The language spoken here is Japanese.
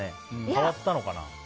変わったのかな。